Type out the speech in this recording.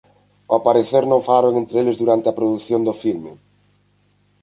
Ó parecer non falaron entre eles durante a produción do filme.